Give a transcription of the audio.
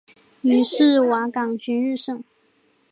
于是瓦岗军日盛。